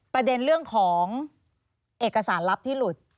ประเด็นเรื่องของเอกสารลับที่หลุด